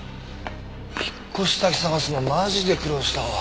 引っ越し先探すのマジで苦労したわ。